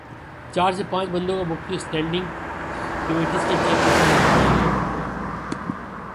چار سے پانچ بندوں کو مختلف اسٹینڈنگ کمیٹیز کے چیئر پرسن لگادیے گئے ہیں۔